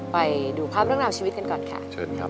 ไปดูภาพเรื่องราวชีวิตกันก่อนค่ะ